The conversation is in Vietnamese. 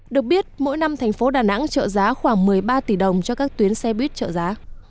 được biết mỗi năm thành phố đà nẵng trợ giá khoảng một mươi ba tỷ đồng cho các tuyến xe buýt trợ giá